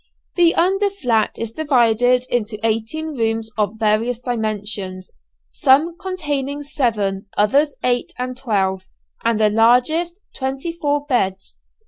The under flat is divided into eighteen rooms of various dimensions, some containing seven, others eight and twelve, and the largest twenty four beds.